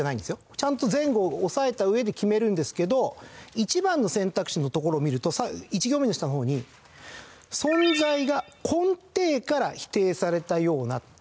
ちゃんと前後を押さえた上で決めるんですけど１番の選択肢のところを見ると下の方に「存在が根底から否定されたような」。